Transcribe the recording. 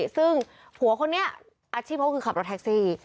ซึ่งผัวคนนี้อาชีพเขาคือขับรถแท็กซี่